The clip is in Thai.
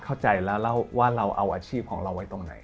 เข้าใจแล้วว่าเราเอาอาชีพของเราไว้ตรงไหน